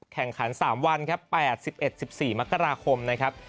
แข่งขันสามวันครับแปดสิบเอ็ดสิบสี่มกราคมนะครับ